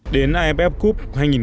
đến aff cup hai nghìn một mươi sáu